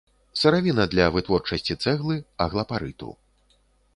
Сыравіна для вытворчасці цэглы, аглапарыту.